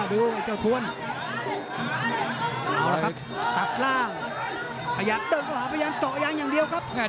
ดูหลวกเกี่ยวกับเทวน